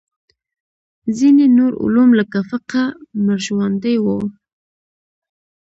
ځینې نور علوم لکه فقه مړژواندي وو.